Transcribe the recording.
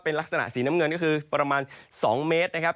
เป็นลักษณะสีน้ำเงินก็คือประมาณ๒เมตรนะครับ